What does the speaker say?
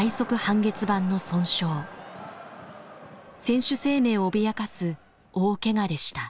選手生命を脅かす大けがでした。